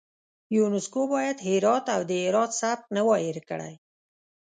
یونسکو باید هرات او د هرات سبک نه وای هیر کړی.